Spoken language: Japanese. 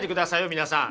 皆さん。